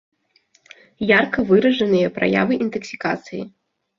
Ярка выражаныя праявы інтаксікацыі.